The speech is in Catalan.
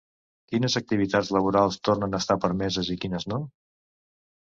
Quines activitats laborals tornen a estar permeses i quines no?